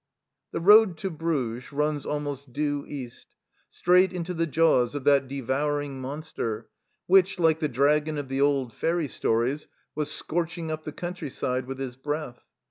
The road to Bruges runs almost due east, straight into the jaws of that devouring monster which, like the dragon of the old fairy stories, was scorching up the country side with his breath.